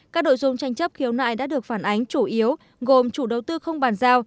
các đội dung tranh chấp khiếu nại đã được phản ánh chủ yếu gồm chủ đầu tư không bàn giao